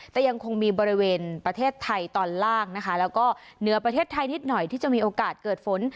แต่ยังคงมีบริเวณประเทศไทยตอนล่างนะคะแล้วก็เหนือประเทศไทยนิดหน่อยที่จะมีโอกาสเกิดฝน